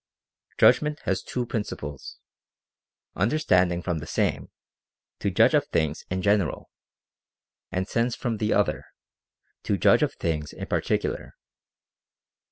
Judgment has two principles, — understanding from the Same, to judge of things in general, and sense from the Other, to judge of things in particular.